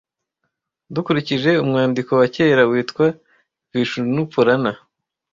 Dukurikije umwandiko wa kera witwa Vishnu Purana,